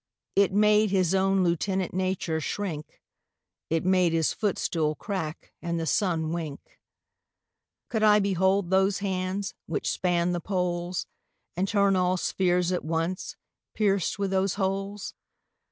It made his owne Lieutenant Nature shrinke, It made his footstoole crack, and the Sunne winke. Could I behold those hands which span the Poles, And turne all spheares at once, peirc'd with those holes?